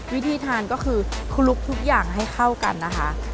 วิธีทานก็คือคลุกทุกอย่างให้เข้ากันนะคะ